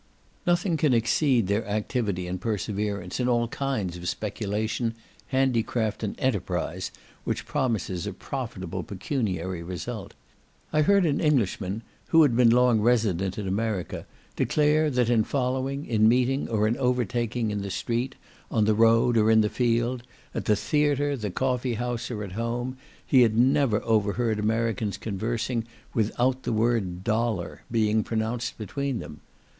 Nothing can exceed their activity and perseverance in all kinds of speculation, handicraft, and enterprise, which promises a profitable pecuniary result. I heard an Englishman, who had been long resident in America, declare that in following, in meeting, or in overtaking, in the street, on the road, or in the field, at the theatre, the coffee house, or at home, he had never overheard Americans conversing without the word DOLLAR being pronounced between them.